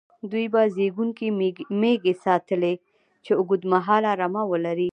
دوی به زېږوونکې مېږې ساتلې، چې اوږد مهاله رمه ولري.